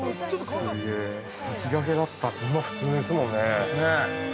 ◆今、普通ですもんね。